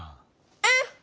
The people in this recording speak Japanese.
うん！